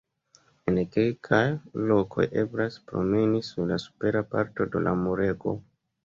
En kelkaj lokoj eblas promeni sur la supera parto de la murego.